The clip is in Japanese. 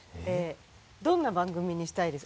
どんな番組にしたいです？